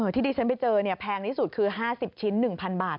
ที่ดิฉันไปเจอแพงที่สุดคือ๕๐ชิ้น๑๐๐บาท